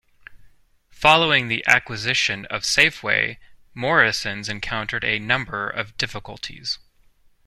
Following the acquisition of Safeway, Morrisons encountered a number of difficulties.